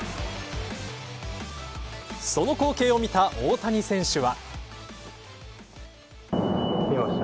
その光景を見た大谷選手は。